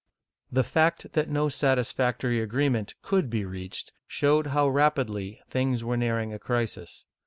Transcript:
The fact that no satisfactory agreement could be reached, showed how rapidly things were nearing a crisis.